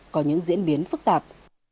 có những diễn biến phức tạp